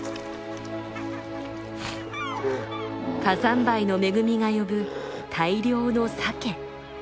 火山灰の恵みが呼ぶ大量のサケ。